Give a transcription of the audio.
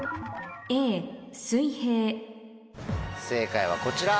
正解はこちら。